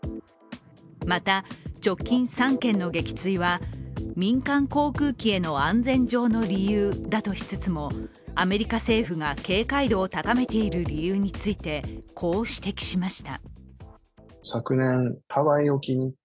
また、直近３件の撃墜は民間航空機への安全上の理由だとしつつもアメリカ政府が警戒度を高めている理由についてこう指摘しました。